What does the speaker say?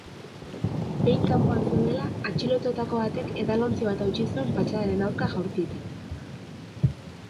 Behin kanpoan zeudela, atxilotuetako batek edalontzi bat hautsi zuen fatxadaren aurka jaurtita.